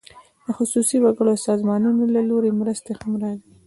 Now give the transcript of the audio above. د خصوصي وګړو او سازمانونو له لوري مرستې هم راځي.